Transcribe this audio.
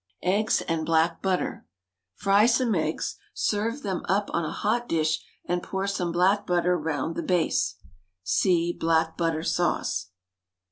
EGGS AND BLACK BUTTER. Fry some eggs, serve them up on a hot dish, and pour some black butter round the base. (See BLACK BUTTER SAUCE.)